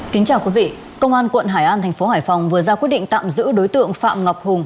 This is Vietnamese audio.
kính chào quý vị công an quận hải an thành phố hải phòng vừa ra quyết định tạm giữ đối tượng phạm ngọc hùng